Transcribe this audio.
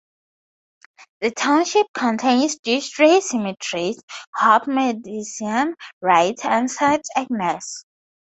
The township contains these three cemeteries: Hope, Medicine Rite and Saint Agnes.